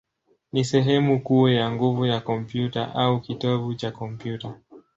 ni sehemu kuu ya nguvu ya kompyuta, au kitovu cha kompyuta.